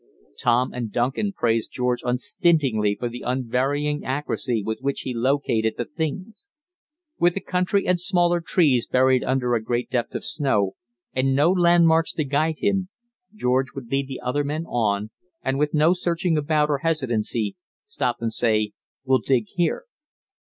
Tom and Duncan praised George unstintingly for the unvarying accuracy with which he located the things. With the country and smaller trees buried under a great depth of snow, and no landmarks to guide him, George would lead the other men on, and, with no searching about or hesitancy, stop and say, "We'll dig here."